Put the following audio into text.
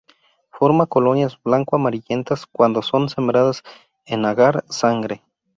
Forma colonias blanco-amarillentas cuando son sembradas en agar sangre.